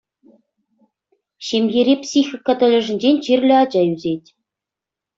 Ҫемьере психика тӗлӗшӗнчен чирлӗ ача ӳсет.